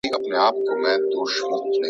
خواږه یاران وه پیالې د مُلو ..